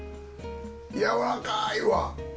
やわらかいわ。